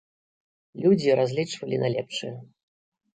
Людзі разлічвалі на лепшае.